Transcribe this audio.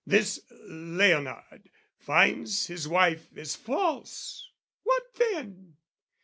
This Leonard finds his wife is false: what then?